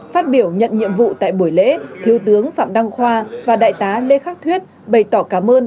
phát biểu nhận nhiệm vụ tại buổi lễ thiếu tướng phạm đăng khoa và đại tá lê khắc thuyết bày tỏ cảm ơn